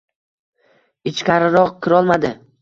Ichkariroq kirolmadi.